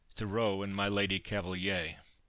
THOREAU AND MY LADY CAVALIERE.